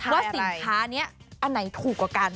ว่าสินค้านี้อันไหนถูกกว่ากัน